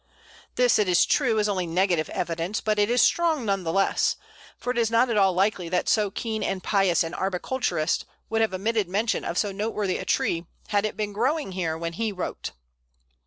This, it is true, is only negative evidence; but it is strong none the less, for it is not at all likely that so keen and pious an arboriculturist would have omitted mention of so noteworthy a tree had such been growing here when he wrote.